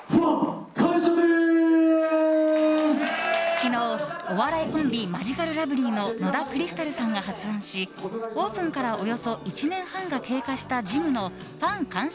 昨日、お笑いコンビマヂカルラブリーの野田クリスタルさんが発案しオープンからおよそ１年半が経過したジムのファン感謝